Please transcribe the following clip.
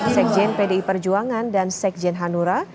sekjen pdi perjuangan dan sekjen hanura